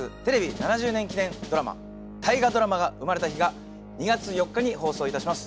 ７０年記念ドラマ「大河ドラマが生まれた日」が２月４日に放送いたします。